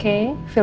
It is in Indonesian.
kau lebih baik